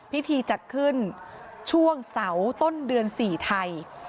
พิธีจัดขึ้นช่วงเสาร์ต้นเดือน๔ไทย